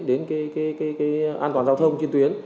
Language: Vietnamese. đến cái an toàn giao thông trên tuyến